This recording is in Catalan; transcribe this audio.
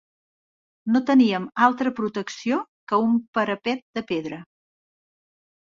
No teníem altra protecció que un parapet de pedra